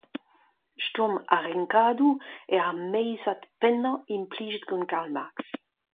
Stourm ar renkadoù eo ar meizad pennañ implijet gant Karl Marx.